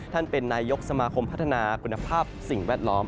ท่านเป็นนายกสมาคมพัฒนาคุณภาพสิ่งแวดล้อม